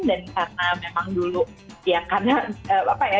dan karena memang dulu ya karena apa ya